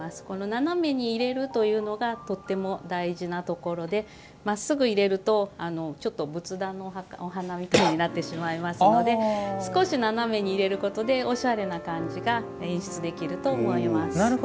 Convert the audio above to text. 斜めに入れるというのがとっても大事なところでまっすぐ入れるとちょっと仏壇のお花みたいになってしまいますので少し、斜めに入れることでおしゃれな感じが演出できると思います。